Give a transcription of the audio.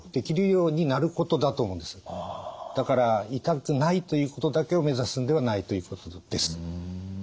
だから痛くないということだけをめざすんではないということです。